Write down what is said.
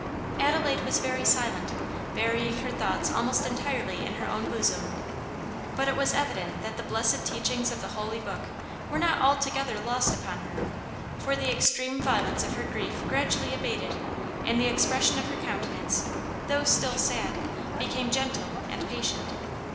Adelaide was very silent, burying her thoughts almost entirely in her own bosom; but it was evident that the blessed teachings of the holy book were not altogether lost upon her, for the extreme violence of her grief gradually abated, and the expression of her countenance, though still sad, became gentle and patient.